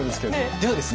ではですね